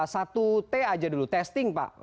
satu t aja dulu testing pak